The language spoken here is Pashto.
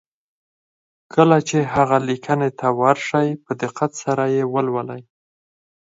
کله چې هغې ليکنې ته ور شئ په دقت سره يې ولولئ.